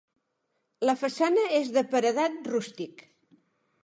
La façana és de paredat rústic.